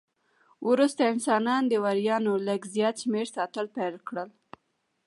وروسته انسان د وریانو لږ زیات شمېر ساتل پیل کړل.